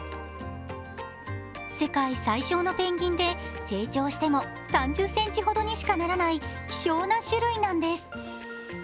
世界最小のペンギンで成長しても３０ｃｍほどにしかならない希少な種類なんです。